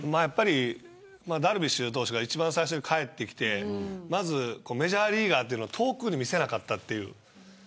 ダルビッシュ投手が一番最初に帰ってきてメジャーリーガーを遠くに見せなかったという。